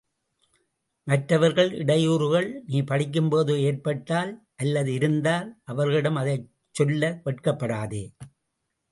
மற்றவர்கள் இடையூறுகள் நீ படிக்கும் போது ஏற்பட்டால், அல்லது இருந்தால், அவர்களிடம் அதைச் சொல்ல வெட்கப்படாதே.